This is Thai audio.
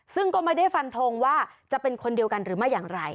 ซึ่งก็ไม่ได้ฟันทงว่าจะเป็นคนเดียวกันหรือไม่อย่างไร